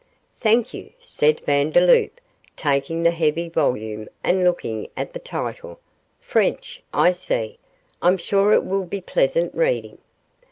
'Thank you,' said Vandeloup, taking the heavy volume and looking at the title; 'French, I see! I'm sure it will be pleasant reading.